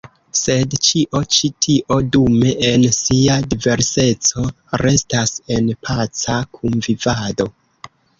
Sed ĉio ĉi tio, dume, en sia diverseco restas en paca kunvivado.